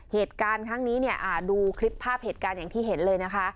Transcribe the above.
เหตุการณ์ครั้งนี้เนี่ยดูคลิปภาพเหตุการณ์อย่างที่เห็นเลยนะคะ